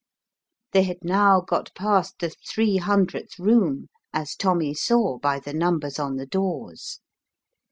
They had now got past the 3Ooth room, as Tommy saw by the numbers on the doors.